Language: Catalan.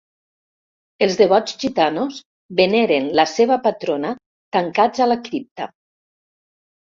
Els devots gitanos veneren la seva patrona tancats a la cripta.